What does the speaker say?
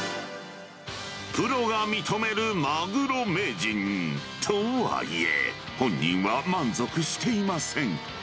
プロが認めるマグロ名人とはいえ、本人は満足していません。